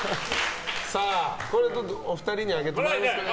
これはお二人にあげてもらいますかね。